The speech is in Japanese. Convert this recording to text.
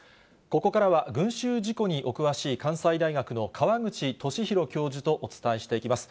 ここからは、群衆事故にお詳しい関西大学の川口寿裕教授とお伝えしていきます。